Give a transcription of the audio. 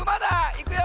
いくよ！